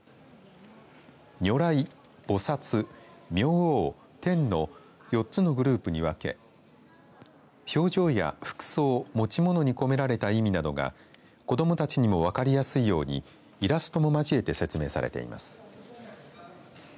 如来、菩薩、明王、天の４つのグループに分け表情や服装持ち物に込められた意味などが子どもたちにも分かりやすいようにイラストも交えて説明されています。